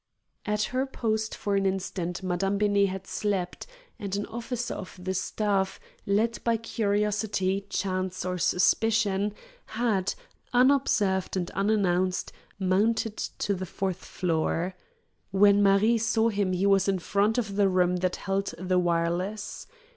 At her post for an instant Madame Benet had slept, and an officer of the staff, led by curiosity, chance, or suspicion, had, unobserved and unannounced, mounted to the fourth floor. When Marie saw him he was in front of the room that held the wireless.